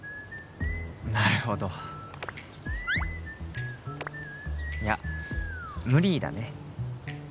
なるほどいや無理だね